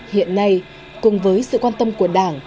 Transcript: hiện nay cùng với sự quan tâm của đảng